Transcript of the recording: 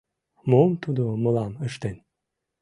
Мом тудо мылам ыштен?